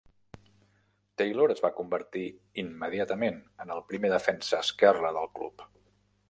Taylor es va convertir immediatament en el primer defensa esquerre del club.